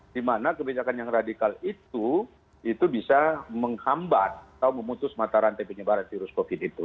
di mana kebijakan yang radikal itu itu bisa menghambat atau memutus mata rantai penyebaran virus covid itu